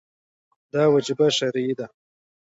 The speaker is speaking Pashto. دا وجیبه شرعي ده.